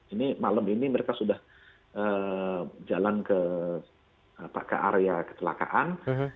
ini malam ini mereka sudah jalan ke area kecelakaan